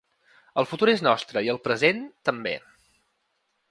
El futur és nostre i el present, també.